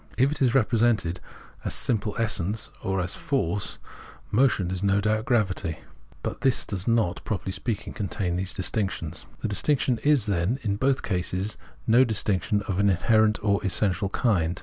If it is represented as simple essence or as force, motion is no doubt gravity ; but this does not, properly spealdng, contain these distinctions. The distinction is, then, in both cases no distinction of an inherent or essential kind.